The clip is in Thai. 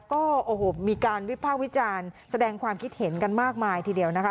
ก็โอ้โหมีการวิภาควิจารณ์แสดงความคิดเห็นกันมากมายทีเดียวนะคะ